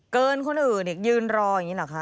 คนอื่นยืนรออย่างนี้เหรอคะ